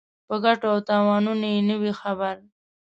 په ګټو او تاوانونو یې نه وي خبر.